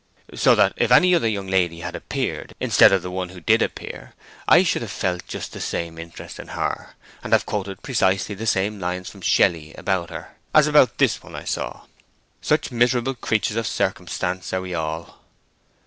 So that if any other young lady had appeared instead of the one who did appear, I should have felt just the same interest in her, and have quoted precisely the same lines from Shelley about her, as about this one I saw. Such miserable creatures of circumstance are we all!"